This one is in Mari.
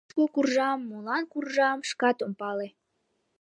Кушко куржам, молан куржам, шкат ом пале.